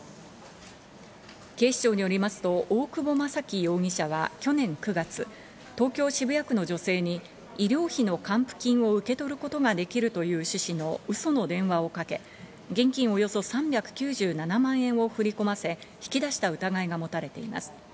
警視庁によりますと、大久保将貴容疑者は、去年９月、東京・渋谷区の女性に医療費の還付金を受け取ることができるという趣旨のうその電話をかけ、現金およそ３９７万円を振り込ませ、引き出した疑いが持たれています。